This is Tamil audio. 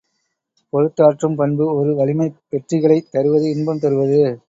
பொறுத்தாற்றும் பண்பு ஒரு வலிமை வெற்றிகளைத் தருவது இன்பம் தருவது.